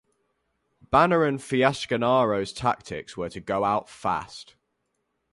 Banner and Fiasconaro's tactics were to go out fast.